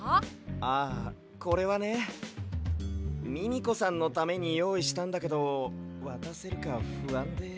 ああこれはねミミコさんのためによういしたんだけどわたせるかふあんで。